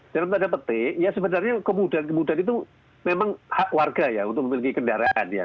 dalam tanda petik ya sebenarnya kemudahan kemudahan itu memang hak warga ya untuk memiliki kendaraan ya